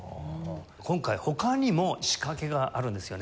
今回他にも仕掛けがあるんですよね。